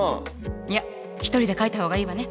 いや一人で描いた方がいいわね。